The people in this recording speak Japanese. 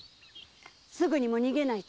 すぐにも逃げないと。